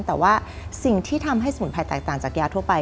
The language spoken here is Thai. แต่ว่าสิ่งที่ทำให้สมุนไพรแตกต่างจากยาทั่วไป